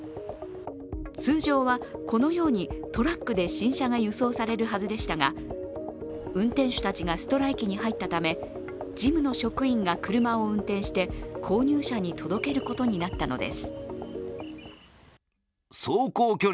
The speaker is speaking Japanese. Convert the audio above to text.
通常は、このようにトラックで新車が輸送されるはずでしたが運転手たちがストライキに入ったため、事務の職員が車を運転して購入者に届けることになったのです。